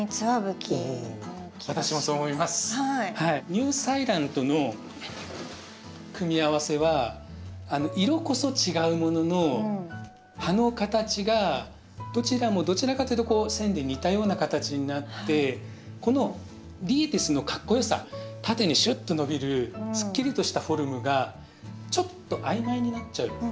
ニューサイランとの組み合わせは色こそ違うものの葉の形がどちらもどちらかというとこう線で似たような形になってこのディエティスのかっこよさ縦にシュッと伸びるすっきりとしたフォルムがちょっと曖昧になっちゃう。